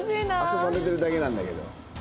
遊ばれてるだけなんだけど。